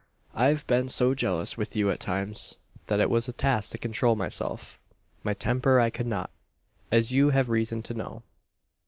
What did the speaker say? I've been so jealous with you at times, that it was a task to control myself. My temper I could not as you have reason to know."